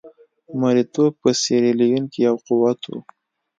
مریتوب په سیریلیون کې یو قوت وو.